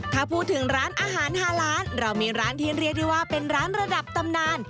ถ้าพูดถึงร้านอาหาร๕ล้านเรามีร้านที่เรียกได้ว่าเป็นร้านระดับตำนาน